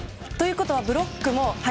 ということは、ブロックも。